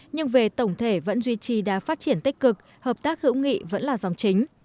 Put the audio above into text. nhưng về tổng thể vẫn duy trì đã phát triển tích cực hợp tác hữu nghị vẫn là dòng chính